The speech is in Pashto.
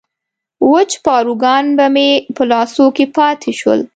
وچ پاروګان به مې په لاسو کې پاتې شول.